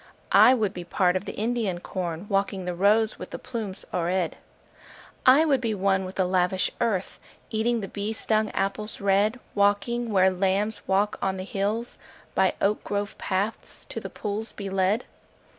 I would be part of the Indian corn, Walking the rows with the plumes o'erhead. I would be one with the lavish earth, Eating the bee stung apples red: Walking where lambs walk on the hills; By oak grove paths to the pools be led.